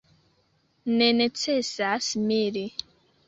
Ne necesas miri.